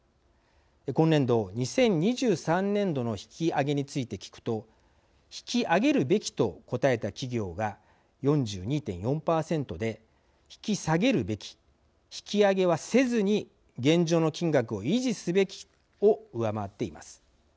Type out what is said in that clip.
今年度２０２３年度の引き上げについて聞くと引き上げるべきと答えた企業が４２．４％で引き下げるべき引き上げはせずに現状の金額を維持すべきを上回っています。